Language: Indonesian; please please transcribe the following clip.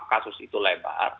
buka kasus itu lebar